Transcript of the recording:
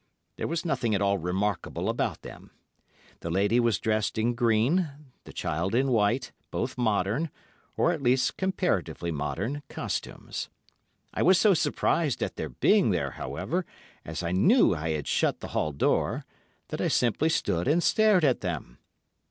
There was nothing at all remarkable about them. The lady was dressed in green, the child in white, both modern, or at least comparatively modern, costumes. I was so surprised at their being there, however, as I knew I had shut the hall door, that I simply stood and stared at them.